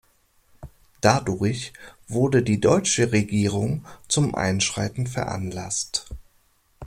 Dadurch wurde die deutsche Regierung zum Einschreiten veranlasst.